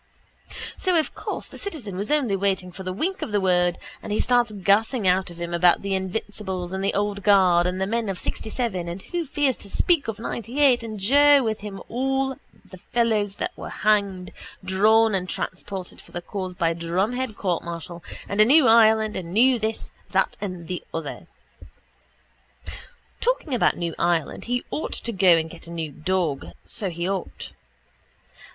_ So of course the citizen was only waiting for the wink of the word and he starts gassing out of him about the invincibles and the old guard and the men of sixtyseven and who fears to speak of ninetyeight and Joe with him about all the fellows that were hanged, drawn and transported for the cause by drumhead courtmartial and a new Ireland and new this, that and the other. Talking about new Ireland he ought to go and get a new dog so he ought.